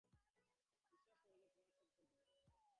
বিশ্বাস কর যে তোমরা সব করিতে পার।